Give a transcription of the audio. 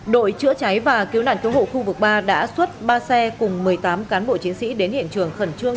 đội chữa cháy và cứu nạn cứu hộ khu vực ba đã xuất ba xe cùng một mươi tám cán bộ chiến sĩ đến hiện trường khẩn trương